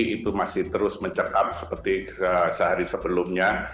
itu masih terus mencekap seperti sehari sebelumnya